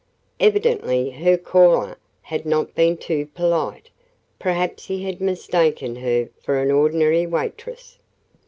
Evidently her caller had not been too polite, perhaps he had mistaken her for an ordinary waitress.